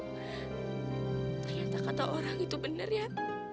ternyata kata orang itu bener ya